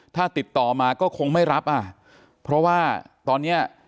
ถ้าติดต่อมาก็คงไม่รับอ่ะเพราะว่าตอนเนี้ย